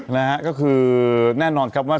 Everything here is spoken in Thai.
นะฮะก็คือแน่นอนครับว่า